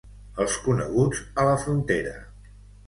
Els coneguts a la frontera.